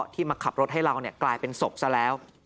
มาขับรถให้เรากลายเป็นศพซะแล้ว